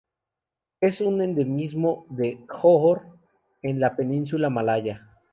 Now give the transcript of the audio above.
Es un endemismo de Johor en la Península Malaya.